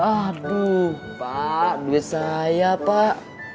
aduh pak duit saya pak